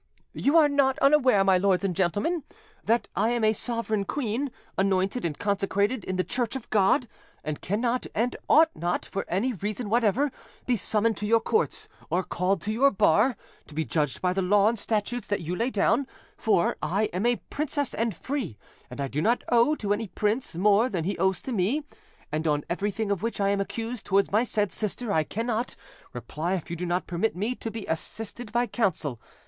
"You are not unaware, my lords and gentlemen, that I am a sovereign queen, anointed and consecrated in the church of God, and cannot, and ought not, for any reason whatever, be summoned to your courts, or called to your bar, to be judged by the law and statutes that you lay down; for I am a princess and free, and I do not owe to any prince more than he owes to me; and on everything of which I am accused towards my said sister, I cannot, reply if you do not permit me to be assisted by counsel.